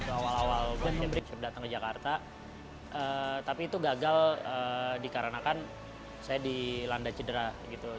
awal awal gue nyabrik saya datang ke jakarta tapi itu gagal dikarenakan saya dilanda cedera gitu loh